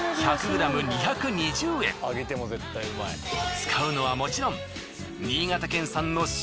使うのはもちろん。